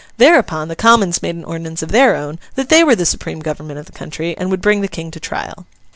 Thereupon, the Commons made an ordinance of their own, that they were the supreme government of the country, and would bring the King to trial.